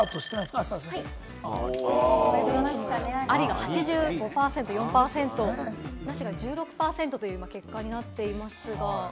ありが８５％、なしが１６％という結果になっています。